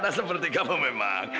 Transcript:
ada seperti kamu memang